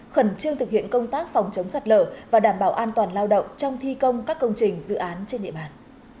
khẩn trương thực hiện công tác phòng chống sạt lở và đảm bảo an toàn lao động trong thi công các công trình dự án trên địa bàn